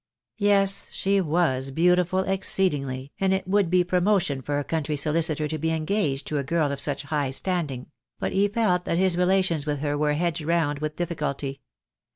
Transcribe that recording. Yes, she was beautiful exceedingly, and it would be promotion for a country solicitor to be engaged to a girl of such high standing; but he felt that his relations with her were hedged round with difficulty.